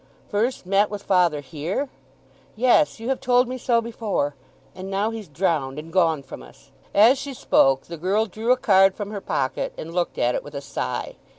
"First met with father here? Yes, you have told me so before. And now he's drowned and gone from us!" As she spoke the girl drew a card from her pocket and looked at it with a sigh.